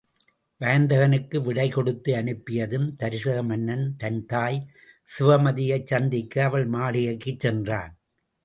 வயந்தகனுக்கு விடை கொடுத்து அனுப்பியதும் தருசக மன்னன், தன் தாய் சிவமதியைச் சந்திக்க அவள் மாளிகைக்குச் சென்றான்.